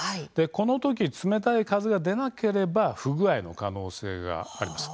この時、冷たい風が出なければ具合の可能性があります。